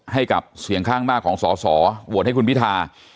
ให้กับเสียงข้างมากของสอสอโหวตให้คุณพิธา